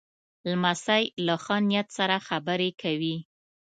لمسی له ښه نیت سره خبرې کوي.